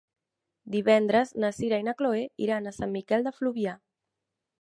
Divendres na Sira i na Chloé iran a Sant Miquel de Fluvià.